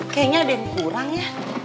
kayaknya ada yang kurang ya